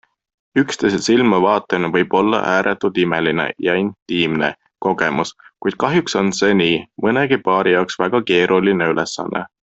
Üksteisele silma vaatamine võib olla ääretult imeline ja intiimne kogemus, kuid kahjuks on see nii mõnegi paari jaoks väga keeruline ülesanne.